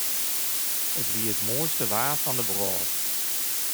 It wie it moaiste waar fan de wrâld.